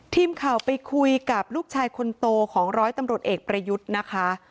ทีมข่าวไปคุยกับลูกชายคนโตของร้อยตำรวจเอกประยุทธ์นะคะ